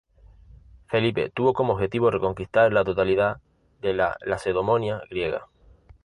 Felipe tuvo como objetivo reconquistar la totalidad de la Lacedemonia griega.